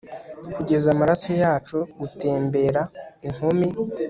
kugeza amaraso yacu, gutembera, inkumi